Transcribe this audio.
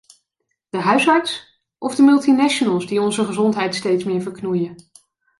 De huisarts, of de multinationals die onze gezondheid steeds meer verknoeien?